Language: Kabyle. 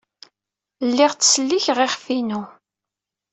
Lliɣ ttsellikeɣ iɣef-inu.